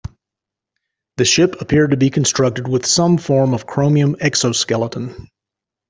The ship appeared to be constructed with some form of chromium exoskeleton.